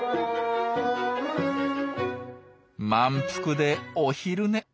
満腹でお昼寝。